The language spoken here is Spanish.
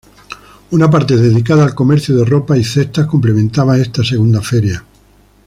Una parte dedicada al comercio de ropa y cestas complementaba esta segunda feria.